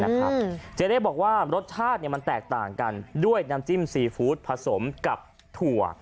เจเล่บอกว่ารสชาติมันแตกต่างกันด้วยน้ำจิ้มซีฟู้ดผสมกับถั่ว